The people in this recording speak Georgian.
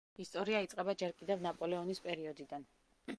ისტორია იწყება ჯერ კიდევ ნაპოლეონის პერიოდიდან.